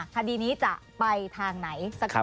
คันดีนี้จะไปทางไหน